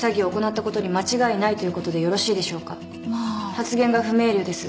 発言が不明瞭です。